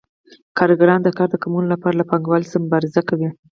کارګران د کار د کمولو لپاره له پانګوالو سره مبارزه کوي